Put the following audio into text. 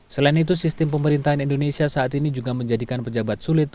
selain itu sistem pemerintahan indonesia saat ini juga menjadikan pejabat sulit